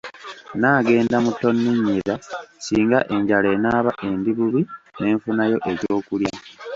Naagenda mu Tonninnyira singa enjala enaaba endi bubi ne nfunayo eky'okulya.